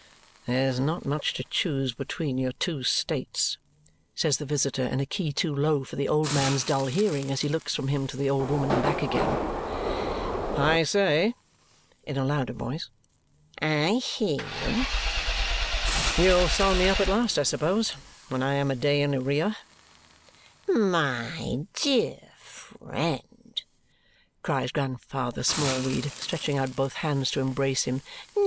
"There's not much to choose between your two states," says the visitor in a key too low for the old man's dull hearing as he looks from him to the old woman and back again. "I say!" in a louder voice. "I hear you." "You'll sell me up at last, I suppose, when I am a day in arrear." "My dear friend!" cries Grandfather Smallweed, stretching out both hands to embrace him.